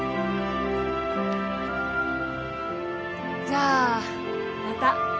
じゃあまた。